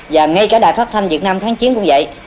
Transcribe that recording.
và ngay cả đài phát thanh việt nam tháng chiến cũng vậy